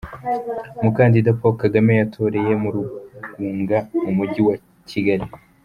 Umukandida Paul Kagame yatoreye mu Rugunga mu mujyi wa Kigali.